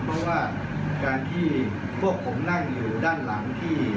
เพราะว่าการที่พวกผมนั่งอยู่ด้านหลังที่